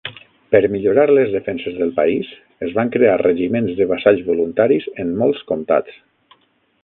Per millorar les defenses del país, es van crear regiments de vassalls voluntaris en molts comtats.